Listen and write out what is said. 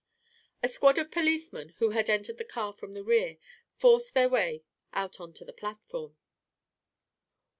A squad of policemen, who had entered the car from the rear, forced their way out on to the platform.